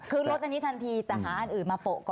คือลดอันนี้ทันทีแต่หาอันอื่นมาโปะก่อน